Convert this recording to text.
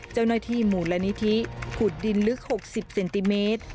เจ้าหน้าที่มูลนิธิขุดดินลึก๖๐เซนติเมตร